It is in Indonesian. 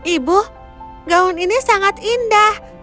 ibu gaun ini sangat indah